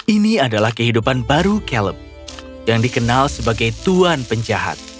ini adalah kehidupan baru caleb yang dikenal sebagai tuan penjahat